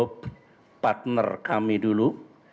partner kami dulu